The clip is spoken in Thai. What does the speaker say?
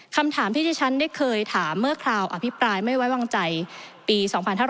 คำถามที่ที่ฉันได้เคยถามเมื่อคราวอภิปรายไม่ไว้วางใจปี๒๕๕๙